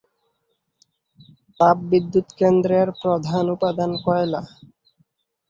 তাপবিদ্যুৎ কেন্দ্রের প্রধান উপাদান কয়লা।